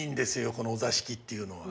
このお座敷っていうのは。